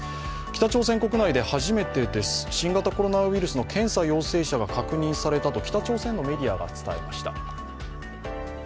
北朝鮮国内で初めて新型コロナウイルスの検査陽性者が確認されたと北朝鮮のメディアが伝えました。